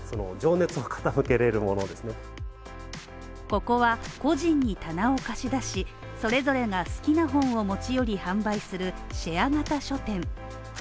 ここは、個人に棚を貸し出しそれぞれが好きな本を持ち寄り、販売するシェア型書店。